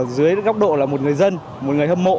dưới góc độ là một người dân một người hâm mộ